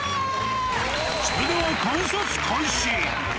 それでは観察開始。